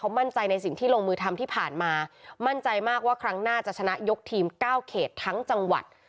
มั่นใจในสิ่งที่ลงมือทำที่ผ่านมามั่นใจมากว่าครั้งหน้าจะชนะยกทีมเก้าเขตทั้งจังหวัด